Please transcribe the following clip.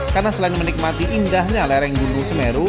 karena selain menikmati indahnya lereng gunung semeru